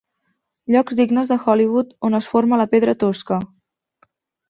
Llocs dignes de Hollywood on es forma la pedra tosca.